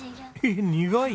苦い？